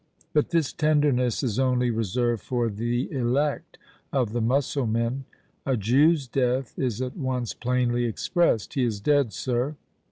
But this tenderness is only reserved for "the elect" of the Mussulmen. A Jew's death is at once plainly expressed: "He is dead, sir!